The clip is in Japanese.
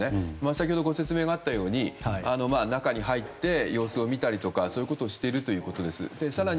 先ほどご説明があったように中に入って様子を見たりそういうことをしているということです。